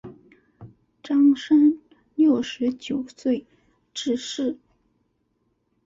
张升六十九岁致仕。